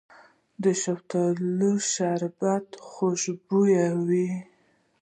د شفتالو شربت خوشبويه وي.